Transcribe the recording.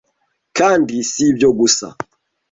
Kandi si ibyo gusa